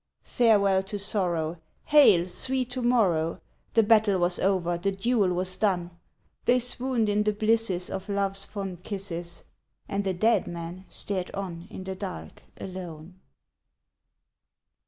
Farewell to sorrow, hail, sweet to morrow! The battle was over, the duel was done. They swooned in the blisses of love's fond kisses, And the dead man stared on in the dark alone.